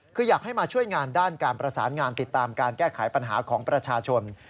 คืออยากให้มาช่วยงานด้านการประสานงานติดตามการแก้ไขปัญหาของประชาชน